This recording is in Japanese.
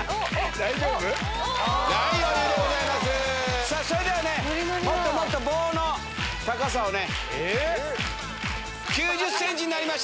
大丈夫？さあ、それではね、もっともっと棒の高さをね、９０センチになりました。